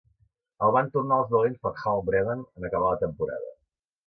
El van tornar als valents per Hal Breeden en acabar la temporada.